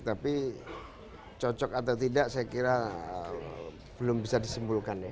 tapi cocok atau tidak saya kira belum bisa disimpulkan ya